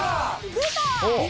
出た！